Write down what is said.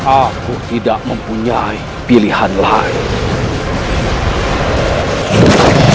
aku tidak mempunyai pilihan lain